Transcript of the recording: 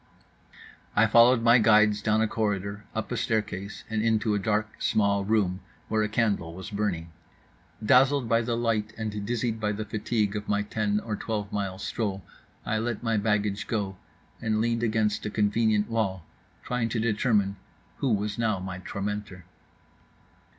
I followed my guides down a corridor, up a staircase, and into a dark, small room where a candle was burning. Dazzled by the light and dizzied by the fatigue of my ten or twelve mile stroll, I let my baggage go; and leaned against a convenient wall, trying to determine who was now my tormentor.